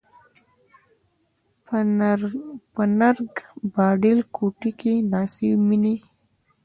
په نرنګ، باډېل کوټکي کښي ناڅي میني